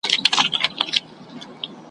له ملا څخه خوابدې سوه عورته ,